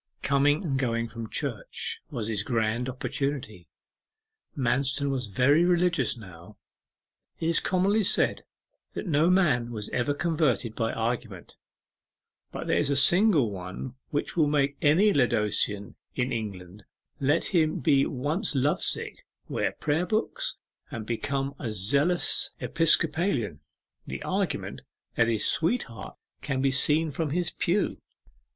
Coming and going from church was his grand opportunity. Manston was very religious now. It is commonly said that no man was ever converted by argument, but there is a single one which will make any Laodicean in England, let him be once love sick, wear prayer books and become a zealous Episcopalian the argument that his sweetheart can be seen from his pew.